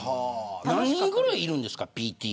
何人ぐらい、いるんですかＰＴＡは。